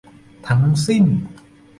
ทั้งสิ้น